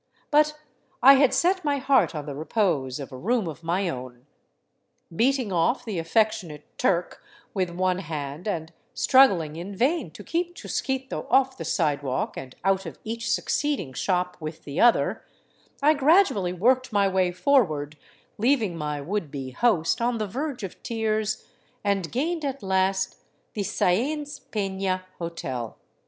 But I had set my heart on the repose of a room of my own. Beating off the affectionate " Turk '* with one hand, and struggling in vain to keep Chusquito off the sidewalk and out of each succeeding shop with the other, I gradually worked my way forward, leaving my would be host on the verge of tears, and gained at last the " Saenz Peiia Hotel."